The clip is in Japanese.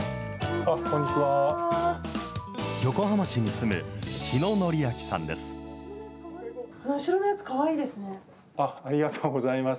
横浜市に住む日野典明さんです。